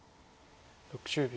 ６０秒。